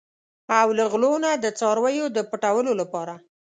او له غلو نه د څارویو د پټولو لپاره.